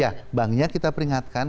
ya banknya kita peringatkan